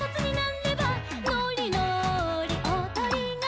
「のりのりおどりが」